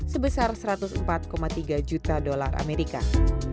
sebesar satu ratus empat tiga juta dolar amerika